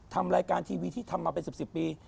ทำรายการทีวีที่ทำมาเป็น๑๐ปี